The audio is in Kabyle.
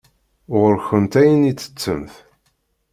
Ɣur-kent ayen i ttettemt.